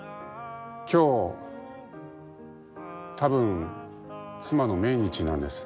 今日たぶん妻の命日なんです。